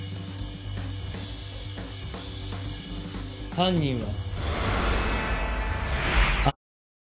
犯人は。